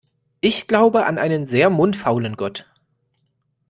Ich glaube an einen sehr mundfaulen Gott.